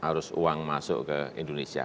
harus uang masuk ke indonesia